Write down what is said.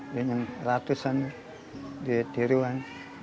dengan ratusan duit tiruan